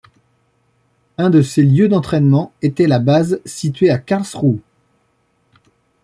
Un de ces lieux d'entrainement était la base située à Karlsruhe.